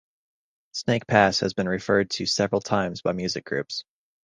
Snake Pass has been referred to several times by music groups.